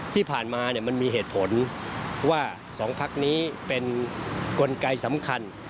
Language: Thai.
ที่ผ่านมามันมีเหตุผลว่า๒พักนี้เป็นกลไกสำคัญ